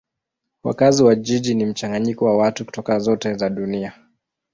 Wakazi wa jiji ni mchanganyiko wa watu kutoka zote za dunia.